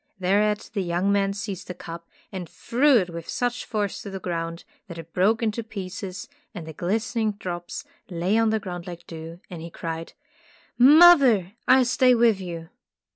Thereat the young man seized the cup and threw it with such force to the ground that it broke into pieces, and the glistening drops lay on the ground like dew, and he cried: ''Mother, I'll stay with you!"